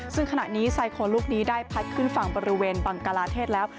ซึ่งขณะนี้ไซโครลูกนี้ได้พัดขึ้นฝั่งบริเวณบังกลาเทศแล้ว